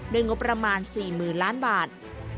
โดยงบประมาณ๔๐๐๐๐๐๐๐บาท